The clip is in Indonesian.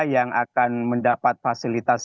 yang akan mendapat fasilitas